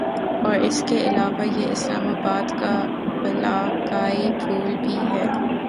اور اس کے علاوہ یہ اسلام آباد کا علاقائی پھول بھی ہے